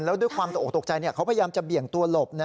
แล้วด้วยความตกออกตกใจเขาพยายามจะเบี่ยงตัวหลบนะ